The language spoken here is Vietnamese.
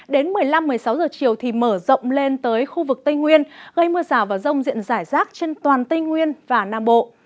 đến một mươi năm một mươi sáu giờ chiều thì mở rộng lên tới khu vực tây nguyên gây mưa rào và rông diện rải rác trên toàn tây nguyên và nam bộ